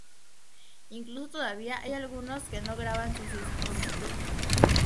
Incluso todavía hay algunos que no graban sus discos.